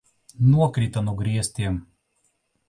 Nokrita no griestiem!